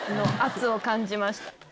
圧を感じました。